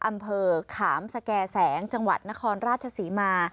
อำเภอขามสแก่แสงจังหวัดนครราชศรีมา